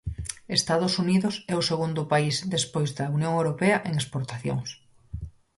Estados Unidos é o segundo país despois da Unión Europea en exportacións.